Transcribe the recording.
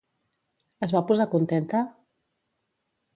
Es va posar contenta?